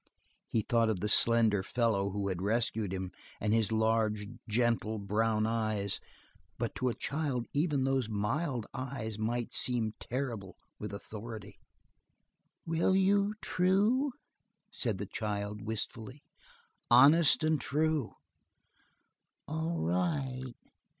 He thought of the slender fellow who had rescued him and his large, gentle brown eyes, but to a child even those mild eyes might seem terrible with authority. "Will you, true?" said the child, wistfully. "Honest and true." "All right."